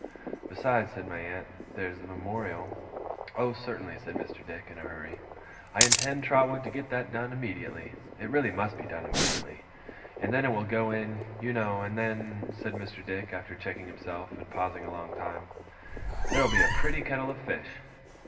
'Besides,' said my aunt, 'there's the Memorial ' 'Oh, certainly,' said Mr. Dick, in a hurry, 'I intend, Trotwood, to get that done immediately it really must be done immediately! And then it will go in, you know and then ' said Mr. Dick, after checking himself, and pausing a long time, 'there'll be a pretty kettle of fish!